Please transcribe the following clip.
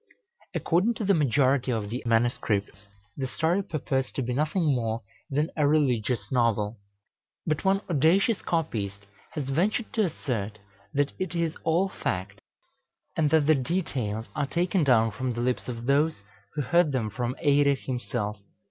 According to the majority of the MSS. the story purports to be nothing more than a religious novel; but one audacious copyist has ventured to assert that it is all fact, and that the details are taken down from the lips of those who heard them from Eirek himself.